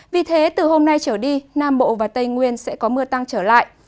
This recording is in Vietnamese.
vì thế từ hôm nay trở đi nam bộ và tây nguyên sẽ có mưa tăng trở lại